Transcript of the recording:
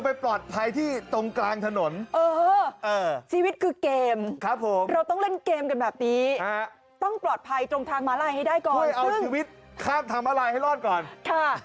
ไปเกาะกลางคือคุณก็เอาชีวิตข้ามทางม้าลายให้ได้ก่อนค่ะ